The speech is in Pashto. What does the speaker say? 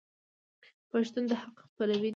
پښتون د حق پلوی دی.